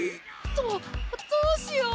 どどうしよう